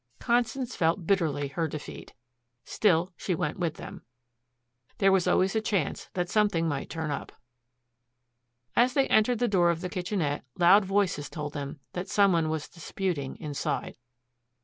Constance felt bitterly her defeat. Still she went with them. There was always a chance that something might turn up. As they entered the door of the kitchenette loud voices told them that some one was disputing inside.